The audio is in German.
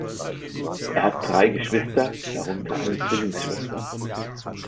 Er hat drei Geschwister, darunter eine Zwillingsschwester.